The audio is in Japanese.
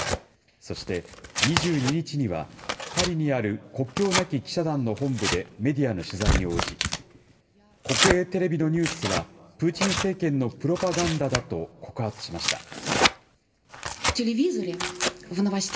そして、２２日には、パリにある国境なき記者団の本部でメディアの取材に応じ、国営テレビのニュースは、プーチン政権のプロパガンダだと告発しました。